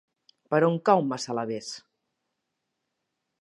Per on cau Massalavés?